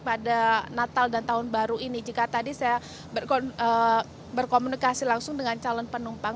pada natal dan tahun baru ini jika tadi saya berkomunikasi langsung dengan calon penumpang